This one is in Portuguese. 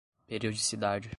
periodicidade